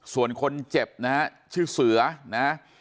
ส่วนคนเจ็บนะฮะชื่อเสือนะ